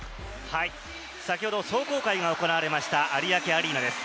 先ほど、壮行会が行われました、有明アリーナです。